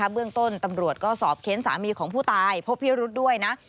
เบื้องต้นตำรวจก็สอบเค้นสามีของผู้ตายพบพิรุธด้วยนะ